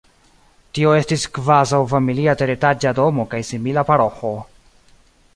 Tio estis kvazaŭ familia teretaĝa domo kaj simila paroĥo.